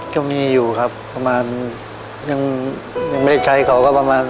ก็มีอยู่ครับประมาณยังไม่ได้ใช้เขาก็ประมาณ